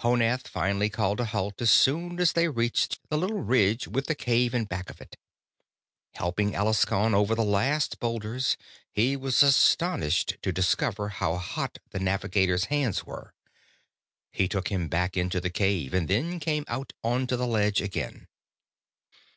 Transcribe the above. Honath finally called a halt as soon as they reached the little ridge with the cave in back of it. Helping Alaskon over the last boulders, he was astonished to discover how hot the navigator's hands were. He took him back into the cave and then came out onto the ledge again.